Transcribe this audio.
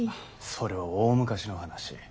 それは大昔の話。